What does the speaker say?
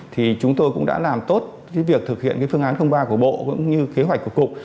thì chúng tôi cũng đã làm tốt cái việc thực hiện phương án ba của bộ cũng như kế hoạch của cục